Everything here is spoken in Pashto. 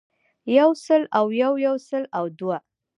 يو سل او يو يو سل او دوه